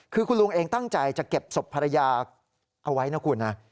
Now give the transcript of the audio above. คือคุณลุงเองตั้งใจจะเก็บศพภรรยาเอาไว้นะคุณนะ